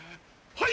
はい！